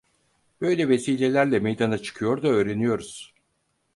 Böyle vesilelerle meydana çıkıyor da öğreniyoruz.